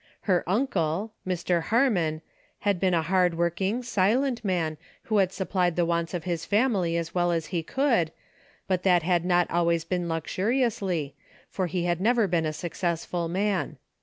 Her uncle, Mr. Harmon, had been a hard working, silent man, who had supplied the wants of his family as well as he could, but that had not always been luxuriously, for he had never been a successful man.